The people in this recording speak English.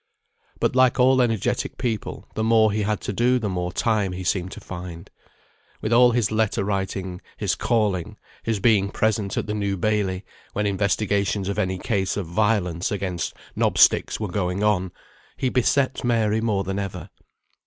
But like all energetic people, the more he had to do the more time he seemed to find. With all his letter writing, his calling, his being present at the New Bailey, when investigations of any case of violence against knob sticks were going on, he beset Mary more than ever.